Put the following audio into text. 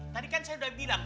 tadi kan saya sudah bilang